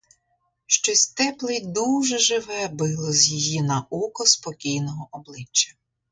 Щось тепле й дуже живе било з її на око спокійного обличчя.